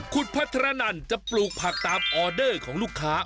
คุณพัฒนันจะปลูกผักตามออเดอร์ของลูกค้า